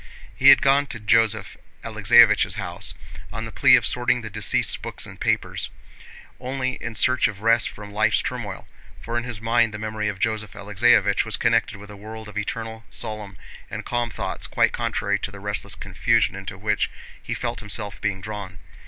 He had gone to Joseph Alexéevich's house, on the plea of sorting the deceased's books and papers, only in search of rest from life's turmoil, for in his mind the memory of Joseph Alexéevich was connected with a world of eternal, solemn, and calm thoughts, quite contrary to the restless confusion into which he felt himself being drawn.